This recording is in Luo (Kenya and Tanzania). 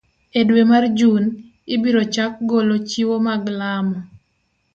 E dwe mar Jun, ibiro chak golo chiwo mag lamo